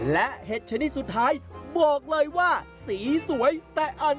และเห็ดชนิดสุดท้ายบอกเลยว่าสีสวยแต่อ่อน